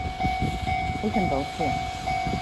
We can both hear.